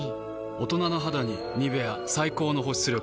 大人な肌に「ニベア」最高の保湿力。